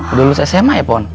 udah lulus sma ya pon